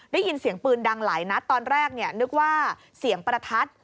ได้ยินเสียงปืนดังหลายนัดตอนแรกนึกว่าเสียงประทัด